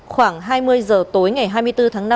khoảng hai mươi giờ tối ngày hai mươi bốn tháng năm